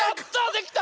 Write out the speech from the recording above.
できた！